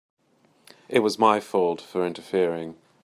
It was my fault for interfering.